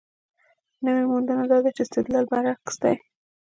نوې موندنه دا ده چې استدلال برعکس دی.